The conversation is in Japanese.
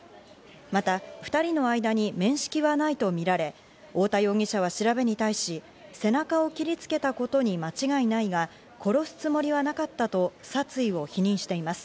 また２人の間に面識はないとみられ、大田容疑者は調べに対し、背中を切りつけたことに間違いないが、殺すつもりはなかったと殺意を否認しています。